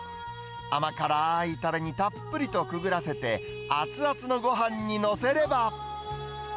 甘辛ーいたれにたっぷりとくぐらせて、熱々のごはんに載せれば。